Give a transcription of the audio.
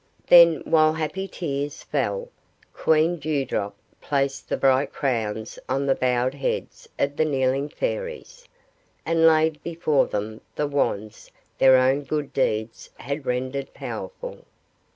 Then, while happy tears fell, Queen Dew Drop placed the bright crowns on the bowed heads of the kneeling Fairies, and laid before them the wands their own good deeds had rendered powerful.